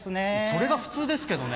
それが普通ですけどね。